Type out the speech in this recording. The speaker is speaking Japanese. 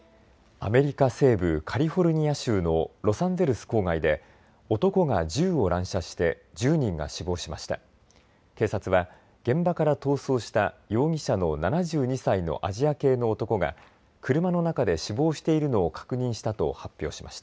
アメリカ西部カリフォルニア州のロサンゼルス郊外で男が銃を乱射して１０人が死亡しました。